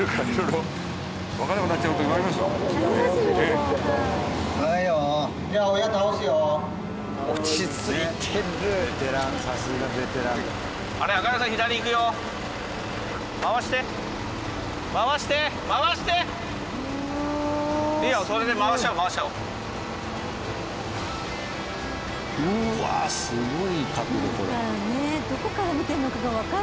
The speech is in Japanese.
どこから見てるのかがわからない。